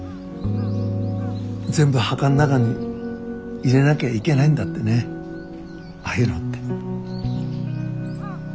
全部墓ん中に入れなきゃいけないんだってねああいうのって。